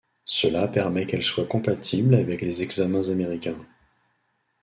Cela permet qu'elle soit compatible avec les examens américains.